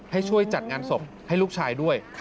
ให้ช่วยจัดงานศพให้ลูกชายด้วย